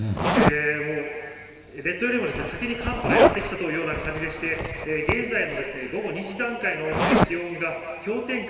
もう列島よりも先に寒波がやって来たという状況でして、現在の午後２時段階の気温が氷点下